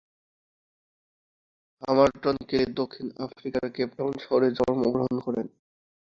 হামারটন-কেলি দক্ষিণ আফ্রিকার Cape town শহরে জন্মগ্রহণ করেন।